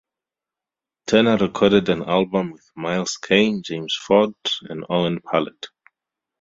Turner recorded an album with Miles Kane, James Ford, and Owen Pallett.